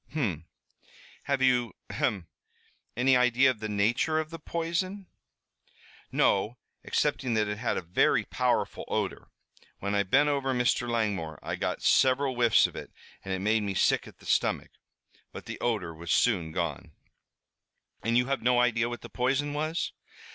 "Hum. Have you ahem! any idea of the nature of the poison?" "No, excepting that it had a very powerful odor. When I bent over Mr. Langmore I got several whiffs of it and it made me sick at the stomach. But the odor was soon gone." "And you have no idea what the poison was?"